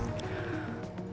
buat bantuin bos